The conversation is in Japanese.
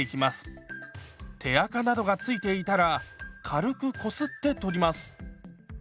手あかなどが付いていたら軽くこすって取ります。